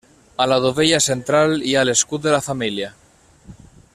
A la dovella central hi ha l'escut de la família.